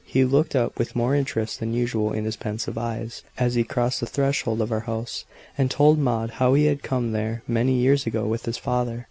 He looked up with more interest than usual in his pensive eyes, as he crossed the threshold of our old house, and told Maud how he had come there many years ago with his father.